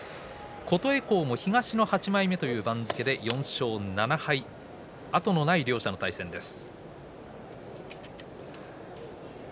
琴恵光も東の８枚目という番付で４勝７敗後のない両力士の対戦です。